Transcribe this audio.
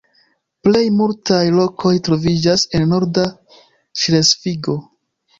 Plej multaj lokoj troviĝas en norda Ŝlesvigo.